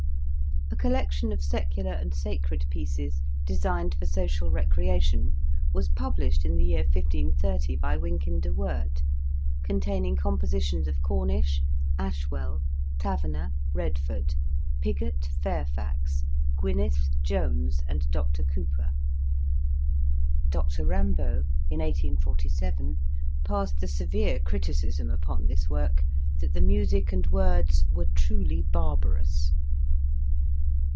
A collection of secular and sacred pieces, designed for social recreation, was published in the year 1530, by Wynkyn de Worde, con taining compositions of Cornish, Ashwell, Taverner, Redford, Pygot, Fairfax, Gwynneth, Introduction. Jones and Dr Cowper ; Dr Rimbault in 1847 passed the severe criticism upon this work that the music and words were truly bar barous.